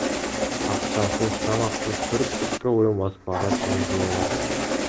Акчасыз, тамаксыз төрт сутка бою Москвага чейин жөө бардык.